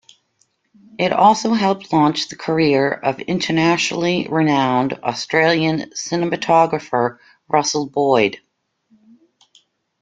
It also helped launch the career of internationally renowned Australian cinematographer Russell Boyd.